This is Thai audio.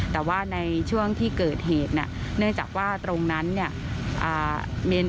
แต่ว่าในช่วงที่เกิดเหตุเนี่ยเนื่องจากว่าตรงนั้นเนี่ย